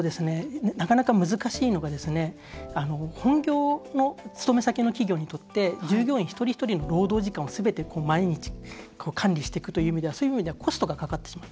なかなか、難しいのが本業の勤め先の企業にとって従業員一人一人の労働時間をすべて毎日管理していくという意味ではコストがかかってしまう。